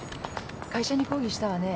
会社に抗議したわね？